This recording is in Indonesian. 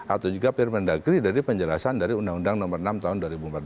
atau juga permendagri dari penjelasan dari undang undang nomor enam tahun dua ribu empat belas